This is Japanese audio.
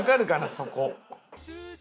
そこ。